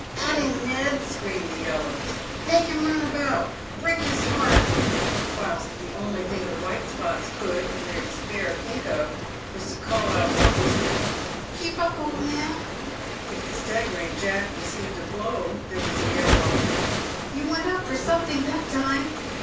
" At him, Ned," screamed the yellows. " Make him run about!" " Break his heart !" Whilst the only thing the white spots could, in their despair, think of, was to call out hopelessly, " Keep up, old man !" If the staggering Jack received a blow, there was a yell of, " Tou went up for something that time